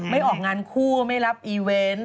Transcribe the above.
ไม่ออกงานคู่ไม่รับอีเวนต์